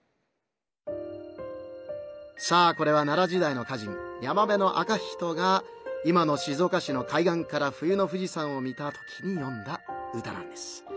さあこれは奈良時代の歌人山部赤人が今の静岡市の海岸から冬の富士山を見た時によんだ歌なんです。